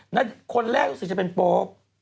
คนแรกภูมิสือว่าจะเป็นโป๊บ